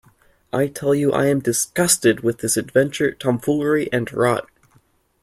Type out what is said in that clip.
I tell you I am disgusted with this adventure tomfoolery and rot.